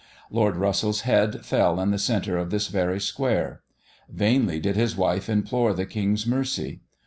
Lord Russell's head fell in the centre of this very square. Vainly did his wife implore the king's mercy.